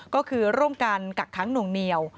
ก็คือร่วมกันกักค้างหน่วงเหนียว